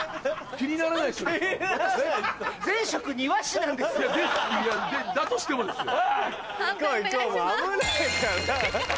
気にならないんですか？